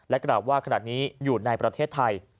กล่าวว่าขณะนี้อยู่ในประเทศไทย